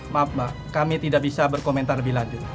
maaf mbak kami tidak bisa berkomentar lebih lanjut